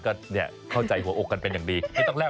ก็เข้าใจหัวอกกันเป็นอย่างดี